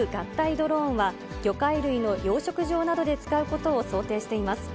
ドローンは魚介類の養殖場などで使うことを想定しています。